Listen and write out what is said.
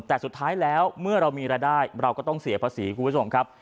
แต่สุดท้ายแล้วเมื่อเรามีรายได้เราก็ต้องเสียภาษีคุณผู้ชมครับ